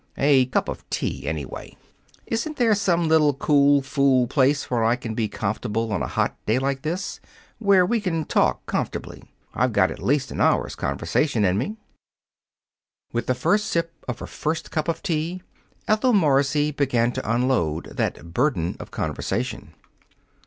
A cup of tea, anyway. Isn't there some little cool fool place where I can be comfortable on a hot day like this where we can talk comfortably? I've got at least an hour's conversation in me." With the first sip of her first cup of tea, Ethel Morrissey began to unload that burden of conversation.